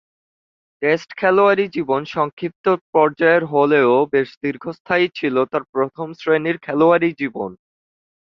Test খেলোয়াড়ী জীবন সংক্ষিপ্ত পর্যায়ের হলেও বেশ দীর্ঘস্থায়ী ছিল তার প্রথম-শ্রেণীর খেলোয়াড়ী জীবন।